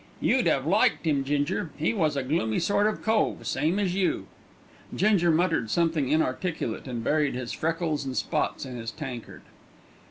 You'd 'ave liked 'im, Ginger; 'e was a gloomy sort of cove, same as you." Ginger muttered something inarticulate, and buried his freckles and spots in his tankard.